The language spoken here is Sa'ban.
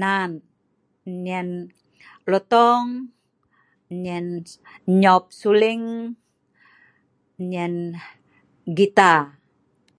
Nan nyen lotong, nyen nyop Suling, nyen gita